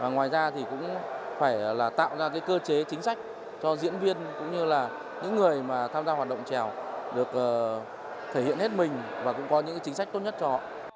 ngoài ra thì cũng phải là tạo ra cơ chế chính sách cho diễn viên cũng như là những người mà tham gia hoạt động trèo được thể hiện hết mình và cũng có những chính sách tốt nhất cho họ